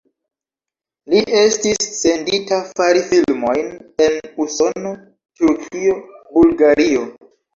Li estis sendita fari filmojn en Usono, Turkio, Bulgario.